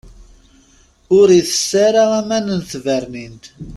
Ur itess ara aman n tbernint.